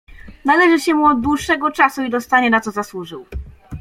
"Należy się mu od dłuższego czasu i dostanie na co zasłużył."